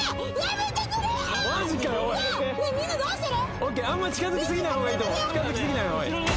みんな、どうする？！